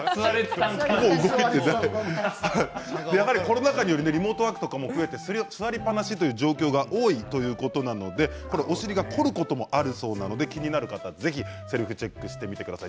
やはりコロナ禍によってリモートワークなど増えて座りっぱなしという状況が多いということなのでお尻が凝ることもあるそうなので気になる方はぜひセルフチェックしてみてください。